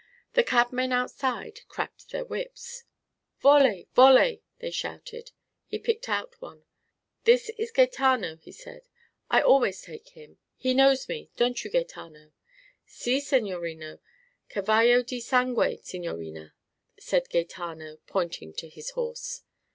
The cabmen outside cracked their whips: "Vole? Vole?" they shouted. He picked out one: "This is Gaetano," he said. "I always take him. He knows me, don't you, Gaetano?" "Si, signorino. Cavallo di sangue, signorina!" said Gaetano, pointing to his horse.